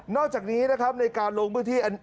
อกจากนี้นะครับในการลงพื้นที่